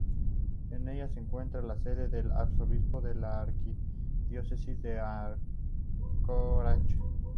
En ella se encuentra la sede del arzobispo de la arquidiócesis de Anchorage.